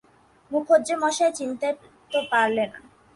মুখুজ্যেমশায়, চিনতে তো পারলে না?